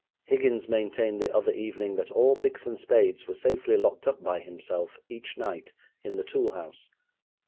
Higgins maintained the other evening that all picks and spades were safely locked up by himself each night in the tool house.